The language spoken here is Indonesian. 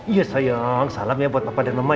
iya sayang salam ya buat papa dan mama ya